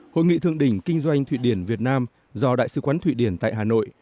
hội nghị thượng đỉnh kinh doanh thụy điển việt nam do đại sứ quán thụy điển tại hà nội